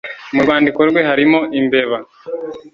mu rwandiko rwe harimo imbeba